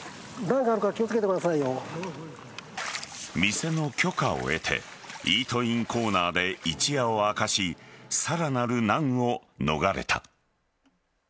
店の許可を得てイートインコーナーで一夜を明かしさらなる難を逃れた。